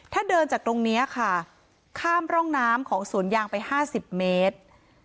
ถ้าเดินจากตรงนี้ค่ะข้ามร่องน้ำของสวนยางไป๕๐เมตร